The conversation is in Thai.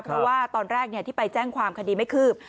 เพราะว่าตอนแรกที่ไปแจ้งความคดีไม่คืบ